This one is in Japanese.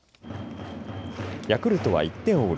ヤクルトは１点を追う